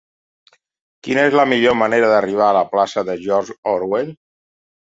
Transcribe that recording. Quina és la millor manera d'arribar a la plaça de George Orwell?